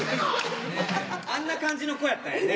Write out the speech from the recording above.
あんな感じの子やったんやね。